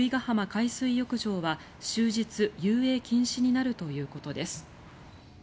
海水浴場は終日遊泳禁止になるということです。